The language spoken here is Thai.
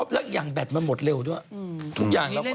แล้วยังแบตมาหมดเร็วด้วย